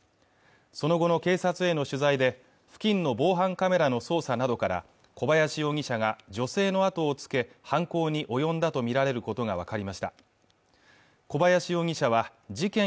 その後の警察への取材で付近の防犯カメラの捜査などから小林容疑者が女性のあとをつけ犯行に及んだと見られることが分かりました小林容疑者は事件